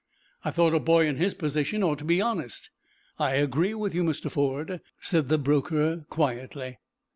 "I thought a boy in his position ought to be honest." "I agree with you, Mr. Ford," said the broker, quietly.